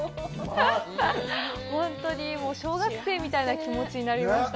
本当に小学生みたいな気持ちになりました。